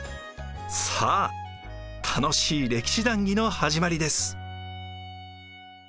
さあ楽しい歴史談義の始まりです。